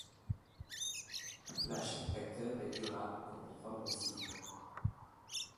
La chaîne d'acteurs est durable quand elle forme un cycle.